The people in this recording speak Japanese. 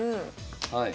はい。